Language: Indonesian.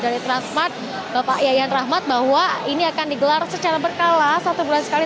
dari transmart bapak yayan rahmat bahwa ini akan digelar secara berkala satu bulan sekali